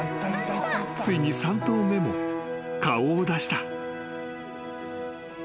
ついに３頭目も顔を出した］